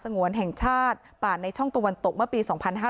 ปราศงวรแห่งชาติปราศในช่องตะวันตกมาปี๒๕๕๓